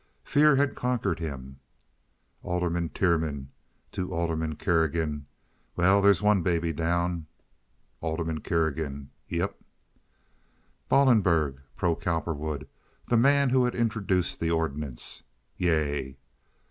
Fear had conquered him. Alderman Tiernan (to Alderman Kerrigan). "Well, there's one baby down." Alderman Kerrigan. "Yep." "Ballenberg?" (Pro Cowperwood; the man who had introduced the ordinance.) "Yea."